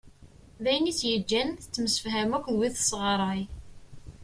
D ayen i tt-yeǧǧan tettemsefham akk d wid tesɣray.